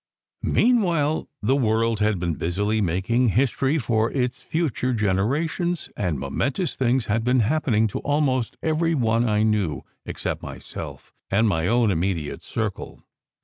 Meanwhile, the world had been busily making history for its future generations, and momentous things had been hap pening to almost every one I knew, except myself and my own immediate circle.